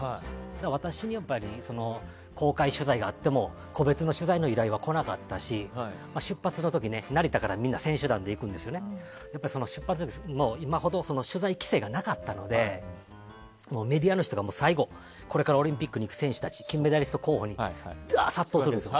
私に、公開取材があっても個別の取材の依頼は来なかったし出発の時、成田からみんな選手団で行きますがその出発の時も今ほど規制がなかったのでメディアの人が最後これからオリンピックに行く選手たち金メダリスト候補に殺到するんです。